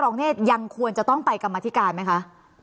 เนธยังควรจะต้องไปกรรมธิการไหมคะ